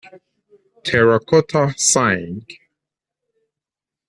Terracotta Sighing.